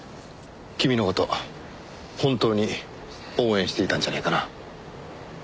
君の事本当に応援していたんじゃないかな。